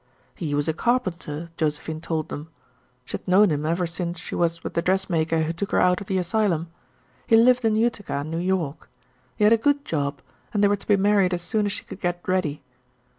He was a carpenter, Josephine told them. She had known him ever since she was with the dressmaker who took her out of the asylum. He lived in Utica, New York. He had a good job, and they were to be married as soon as she could get ready.